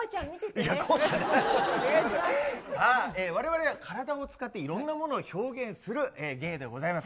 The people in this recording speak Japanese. さあ、われわれは体を使っていろんなものを表現する芸でございます。